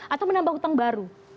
atau menambah utang baru